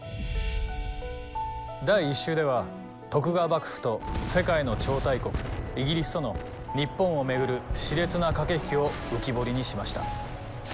第１集では徳川幕府と世界の超大国イギリスとの日本を巡るしれつな駆け引きを浮き彫りにしました。